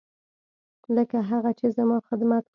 لکه هغه چې زما خدمت کاوه.